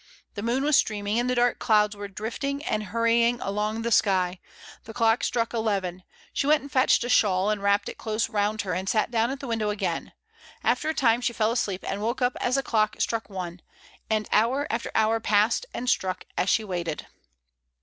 The moon was streaming, and the dark clouds were drifting and hurrying along the sky; the clock struck eleven. She went and fetched a shawl and wrapped it close round her and sat down at the window again; after a time she fell asleep and woke up as the clock struck one, and hour after hour passed and struck as she waited.